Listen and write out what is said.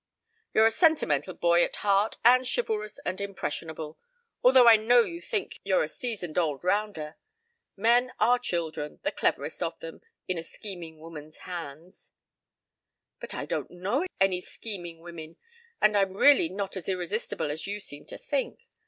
You're a sentimental boy at heart and chivalrous and impressionable, although I know you think you're a seasoned old rounder. Men are children, the cleverest of them, in a scheming woman's hands." "But I don't know any scheming women and I'm really not as irresistible as you seem to think.